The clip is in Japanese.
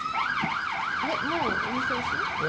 もうお店おしまい？